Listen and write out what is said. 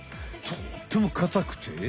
とってもかたくて。